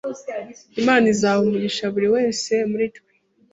Imana izaha umugisha buri wese muri twe.